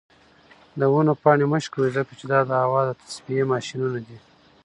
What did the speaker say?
د ونو پاڼې مه شکوئ ځکه چې دا د هوا د تصفیې ماشینونه دي.